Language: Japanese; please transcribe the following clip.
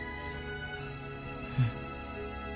うん。